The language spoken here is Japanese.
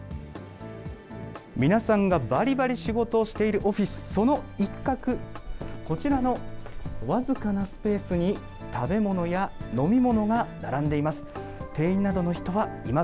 皆さんがばりばり仕事をしているオフィス、その一角、こちらの僅かなスペースに、食べ物や飲み物が並んでいます。